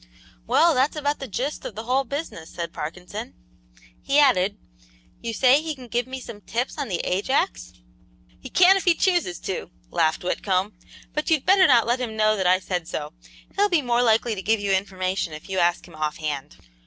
"Well, that's about the 'gist' of the whole business," said Parkinson; he added: "You say he can give me some 'tips' on the Ajax?" "He can if he chooses to," laughed Whitcomb, "but you'd better not let him know that I said so. He'll be more likely to give you information if you ask him offhand."